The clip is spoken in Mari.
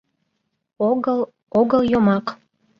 Огыл, огыл йомак.